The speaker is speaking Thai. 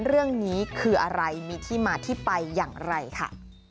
เรื่องนี้คืออะไรมีที่มาที่ไปอย่างไรค่ะ